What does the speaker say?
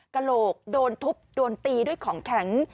กระโหลกโดนทุบโดนตีด้วยของแข็ง